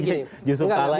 masuk saja ini